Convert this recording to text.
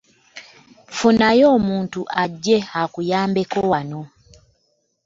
Funayo omuntu ajje akuyambeko wano.